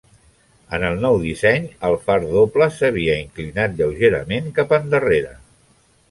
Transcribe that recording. En el nou disseny, el far doble s'havia inclinat lleugerament cap endarrere.